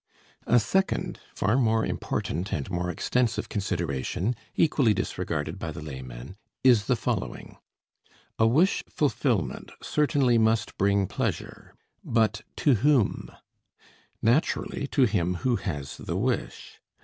A second, far more important and more extensive consideration, equally disregarded by the layman, is the following: A wish fulfillment certainly must bring pleasure but to whom? Naturally, to him who has the wish.